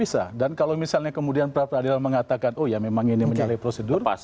bisa dan kalau misalnya kemudian pra peradilan mengatakan oh ya memang ini menyalahi prosedur